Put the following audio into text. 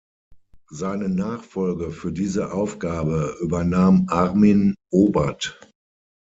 Seine Nachfolge für diese Aufgabe übernahm Armin Obert.